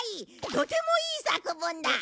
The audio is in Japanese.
とてもいい作文だ！